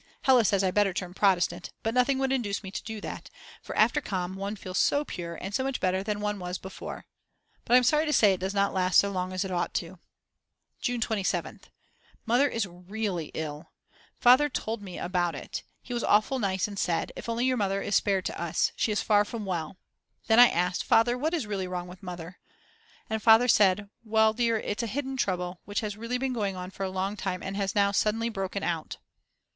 Hella says I'd better turn Protestant, but nothing would induce me to do that; for after Com. one feels so pure and so much better than one was before. But I'm sorry to say it does not last so long as it ought to. June 27th. Mother is really ill. Father told me about it. He was awfully nice and said: If only your Mother is spared to us. She is far from well. Then I asked: Father, what is really wrong with Mother? And Father said: "Well, dear, it's a hidden trouble, which has really been going on for a long time and has now suddenly broken out."